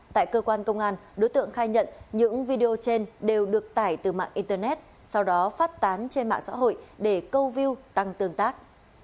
tại cơ quan công an đối tượng khai nhận những video trên đều được tải từ mạng internet sau đó phát tán trên mạng xã hội để câu view tăng tương tác